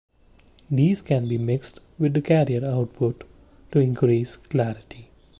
These can be mixed with the carrier output to increase clarity.